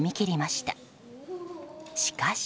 しかし。